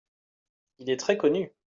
Il est très connu.